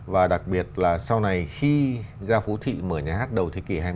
và đặc biệt là sau này khi gia phú thị mở nhà hát đầu thế kỷ hai mươi